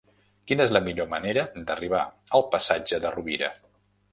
Quina és la millor manera d'arribar al passatge de Rovira?